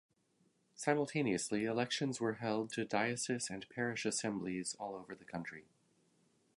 Simultaneously elections were held to diocese and parish assemblies all over the country.